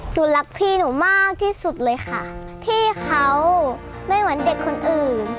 หนูรักพี่หนูมากที่สุดเลยค่ะที่เขาไม่เหมือนเด็กคนอื่น